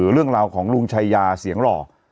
เรื่องราวของลุงชายาเสียงหล่อ